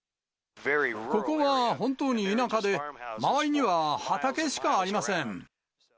ここは本当に田舎で、周りには畑しかありません。